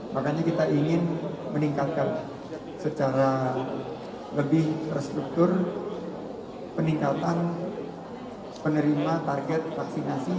makanya kita ingin meningkatkan secara lebih terstruktur peningkatan penerima target vaksinasi